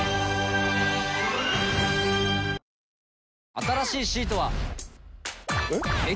新しいシートは。えっ？